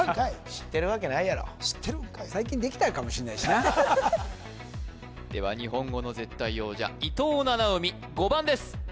知ってるわけないやろ知ってるんかい最近できたのかもしれないしなでは日本語の絶対王者伊藤七海５番です